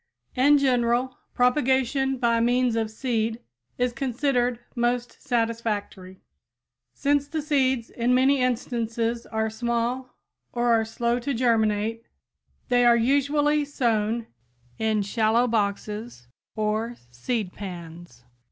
In general, propagation by means of seed is considered most satisfactory. Since the seeds in many instances are small or are slow to germinate, they are usually sown in shallow boxes or seed pans.